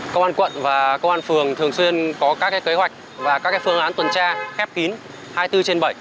công an quận và công an phường thường xuyên có các kế hoạch và các phương án tuần tra khép kín hai mươi bốn trên bảy